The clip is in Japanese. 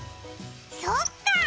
そっかー。